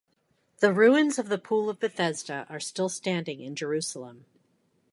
The ruins of the Pool of Bethesda are still standing in Jerusalem.